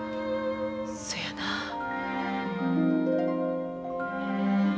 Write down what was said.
そやなあ。